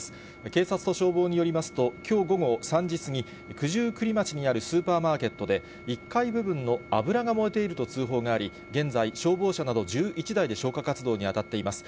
警察と消防によりますと、きょう午後３時過ぎ、九十九里町にあるスーパーマーケットで、１階部分の油が燃えていると通報があり、現在、消防車など１１台で消火活動に当たっています。